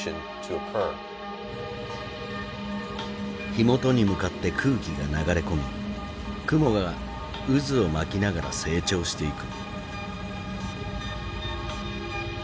火元に向かって空気が流れ込み雲が渦を巻きながら成長していく。